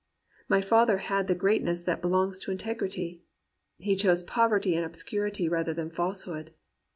My father had the greatness that belongs to integrity; he chose poverty and obscurity rather than falsehood.